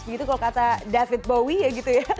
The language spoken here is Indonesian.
begitu kalau kata david bowie ya gitu ya